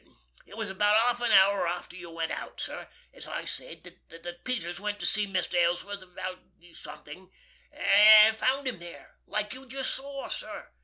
It was about half an hour after you went out, sir, as I said, that Peters went to see Mr. Ellsworth about something, and found him there like you just saw, sir.